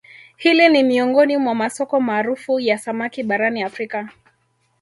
Hili ni miongoni mwa masoko maarufu ya samaki barani Afrika